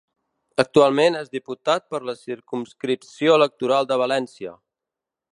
Actualment és Diputat per la Circumscripció electoral de València.